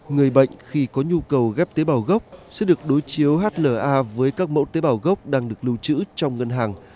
người bệnh khi có nhu cầu ghép tế bào gốc sẽ được đối chiếu hla với các mẫu tế bào gốc đang được lưu trữ trong ngân hàng